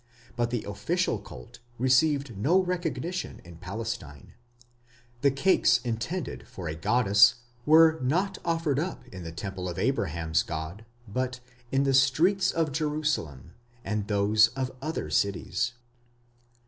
But the official cult received no recognition in Palestine; the cakes intended for a goddess were not offered up in the temple of Abraham's God, but "in the streets of Jerusalem" and those of other cities.